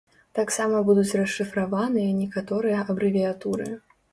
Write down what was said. Таксама будуць расшыфраваныя некаторыя абрэвіятуры.